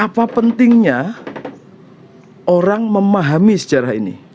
apa pentingnya orang memahami sejarah ini